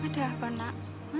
ada apa nak